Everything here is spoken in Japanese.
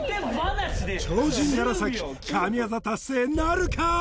超人楢神業達成なるか！？